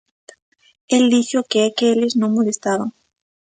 El dixo que é que eles non molestaban.